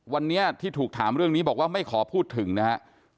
วันนี้ที่ถูกถามเรื่องนี้บอกว่าไม่ขอพูดถึงนะครับ